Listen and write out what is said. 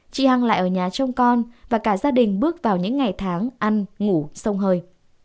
chị hằng lại ở nhà trông con và cả gia đình bước vào những ngày tháng ăn ngủ sông hơi